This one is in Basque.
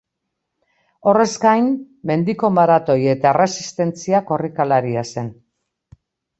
Horrez gain, mendiko maratoi eta erresistentzia korrikalaria zen.